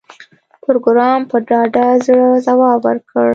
پروګرامر په ډاډه زړه ځواب ورکړ